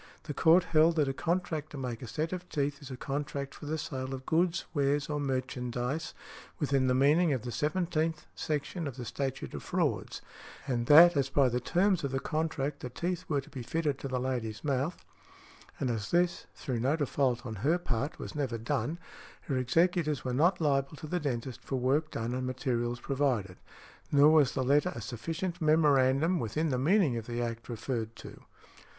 The court held that a contract to make a set of teeth is a contract for the sale of goods, wares or merchandise within the meaning of the seventeenth section of the Statute of Frauds; and that as by the terms of the contract the teeth were to be fitted to the lady's mouth, and as this, through no default on her part, was never done, her executors were not liable to the dentist for work done and materials provided; nor was the letter a sufficient memorandum within the meaning of the Act referred to.